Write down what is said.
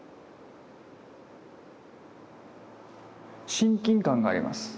親近感があります。